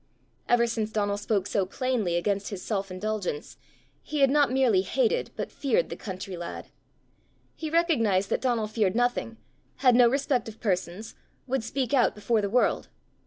Ever since Donal spoke so plainly against his self indulgence, he had not merely hated but feared the country lad. He recognized that Donal feared nothing, had no respect of persons, would speak out before the world.